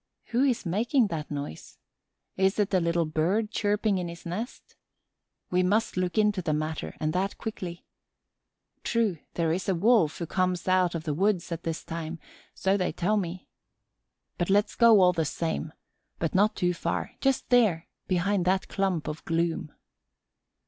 Who is making that noise? Is it a little Bird chirping in his nest? We must look into the matter and that quickly. True, there is a Wolf, who comes out of the woods at this time, so they tell me. Let's go all the same, but not too far: just there, behind that clump of gloom.